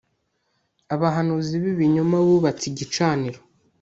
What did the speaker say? abahanuzi bibinyoma bubatse igicaniro